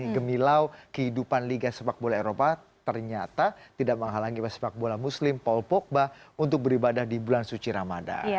gemilau kehidupan liga sepak bola eropa ternyata tidak menghalangi sepak bola muslim paul pogba untuk beribadah di bulan suci ramadan